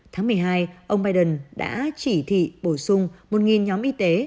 tháng một mươi hai ông biden đã chỉ thị bổ sung một nhóm y tế